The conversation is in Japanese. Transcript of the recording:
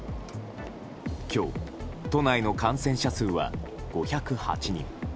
今日、都内の感染者数は５０８人。